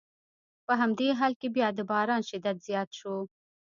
په همدې حال کې بیا د باران شدت زیات شو.